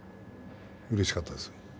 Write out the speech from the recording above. うれしかったです。